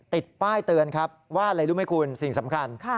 ติดป้ายเตือนครับว่าอะไรรู้ไหมคุณสิ่งสำคัญ